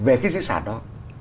về cái di sản đó